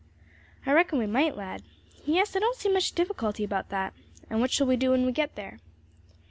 "I reckon we might, lad. Yes, I don't see much difficulty about that. And what shall we do when we get there?"